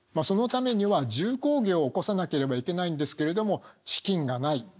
そのためには重工業をおこさなければいけないんですけれども資金がない。